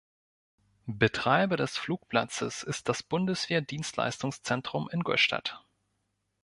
Betreiber des Flugplatzes ist das Bundeswehr-Dienstleistungszentrum Ingolstadt.